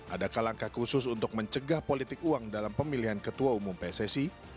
adakah langkah khusus untuk mencegah politik uang dalam pemilihan ketua umum pssi